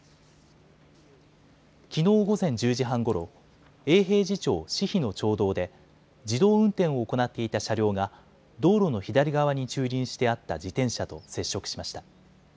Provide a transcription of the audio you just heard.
きのう午前１０時半ごろ、永平寺町志比の町道で自動運転を行っていた車両が道路の左側に駐輪してあった自転車と接触しました。